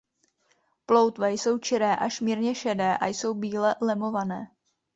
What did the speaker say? Ploutve jsou čiré až mírně šedé a jsou bíle lemované.